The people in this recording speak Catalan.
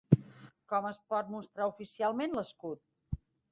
Com es pot mostrar oficialment l'escut?